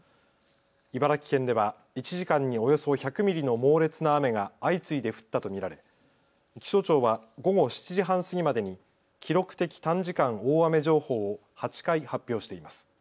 茨城県では１時間におよそ１００ミリの猛烈な雨が相次いで降ったと見られ気象庁は午後７時半過ぎまでに記録的短時間大雨情報を８回発表しています。